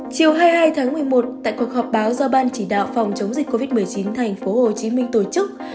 chiều hai mươi hai tháng một mươi một tại cuộc họp báo do ban chỉ đạo phòng chống dịch covid một mươi chín tp hcm tổ chức